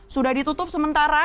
sudah ditutup sementara